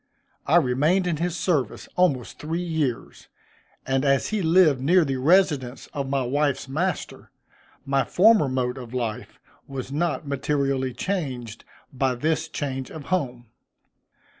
I remained in his service almost three years, and as he lived near the residence of my wife's master, my former mode of life was not materially changed, by this change of home.